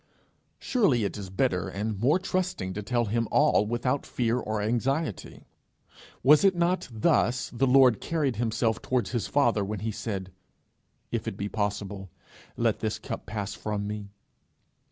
Surely it is better and more trusting to tell him all without fear or anxiety. Was it not thus the Lord carried himself towards his Father when he said, 'If it be possible, let this cup pass from me'?